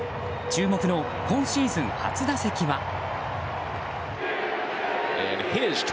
注目の今シーズン初打席は。